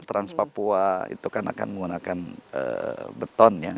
trans papua itu kan akan menggunakan beton ya